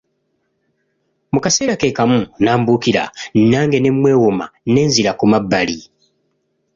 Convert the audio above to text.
Mu kaseera ke kamu n'ambuukira, nange ne mwewoma ne nzira ku mabbali.